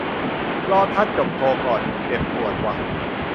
รอทัดจบโทก่อน เจ็บปวดว่ะ